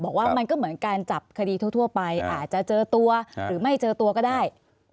บอกว่ามันก็เหมือนการจับคดีทั่วไปอาจจะเจอตัวหรือไม่เจอตัวก็ได้